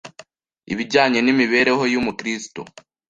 ibijyanye n imibereho y Umukristo